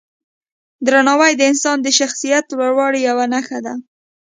درناوی د انسان د شخصیت لوړوالي یوه نښه ده.